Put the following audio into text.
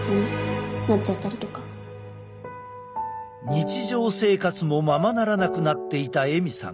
日常生活もままならなくなっていたエミさん。